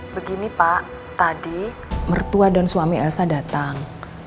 begini pak tadi mertua dan suami elsa datang